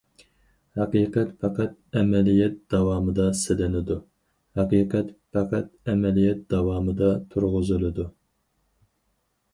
ھەقىقەت پەقەت ئەمەلىيەت داۋامىدا سىنىلىدۇ، ھەقىقەت پەقەت ئەمەلىيەت داۋامىدا تۇرغۇزۇلىدۇ.